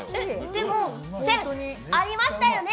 でも線ありましたよね？